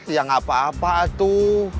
ya gak apa apa tuh